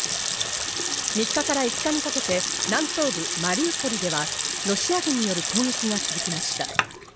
３日から５日にかけて南東部マリウポリではロシア軍による攻撃が続きました。